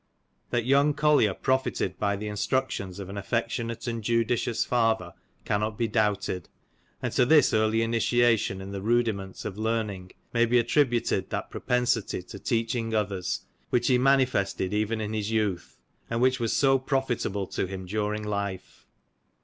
That young Collier profited by the instructions of an affectionate and judicious father cannot be doubted, and to this early initiation in the rudiments of learning may be attributed that propensity to teaching others, which he manifested even in his youth, and which was so profitable to him during life.